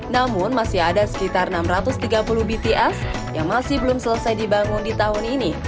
namun masih ada sekitar enam ratus tiga puluh bts yang masih belum selesai dibangun di tahun ini